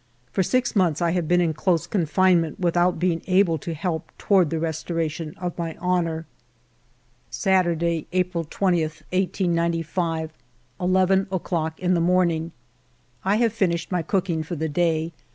For six months I have been in close confinement without being able to help toward the restoration of my honor. Saturday^ April 10, 1895, 11 o'clock in the morning. I have finished my cooking for the day.